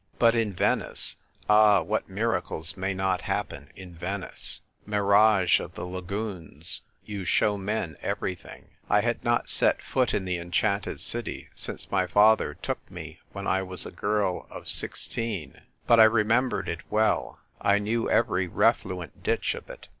But in Venice — ah, what miracles may not happen in Venice! Mirage of the lagoons, yt u show men everything ! I had not set foot in the enchanted city si'ice my father took me when I was a girl of o 202 THE TYPE WRITER GIRL. sixteen ; but I remembered it well ; I knew every refluent ditch of it.